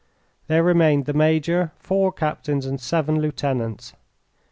There remained the major, four captains, and seven lieutenants.